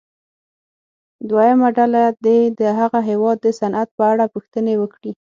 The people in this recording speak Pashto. دویمه ډله دې د هغه هېواد د صنعت په اړه پوښتنې وکړي.